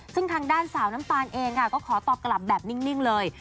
ซึ่งทางด้านสาวน้ำตาลเองค่ะก็ขอตอบกลับแบบนิ่งเลย